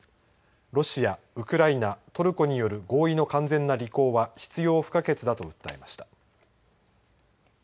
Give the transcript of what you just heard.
ロシア、ウクライナ、トルコによる合意の完全な履行は必要不可欠なと訴えました。